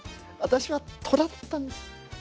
私はとらだったんです。